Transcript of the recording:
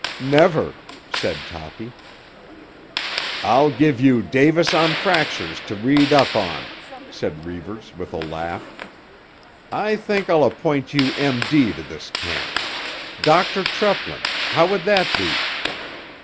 "Never," said Toppy. "I'll give you 'Davis on Fractures' to read up on," said Reivers with a laugh. "I think I'll appoint you M.D. to this camp. 'Doctor Treplin.' How would that be?"